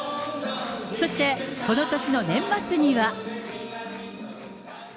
そしてこの年の年末には。